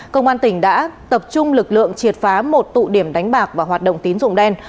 công an tỉnh đã tập trung lực lượng triệt phá một tụ điểm đánh bạc và hoạt động tín dụng đen